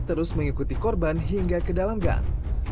terus mengikuti korban hingga ke dalam gang